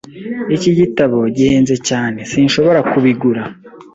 Iki gitabo gihenze cyane. Sinshobora kubigura.